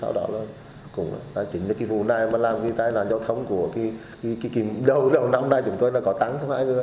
sau đó là cũng là chính cái vụ này mà làm cái tai nạn giao thông của cái đầu năm nay chúng tôi đã có tắng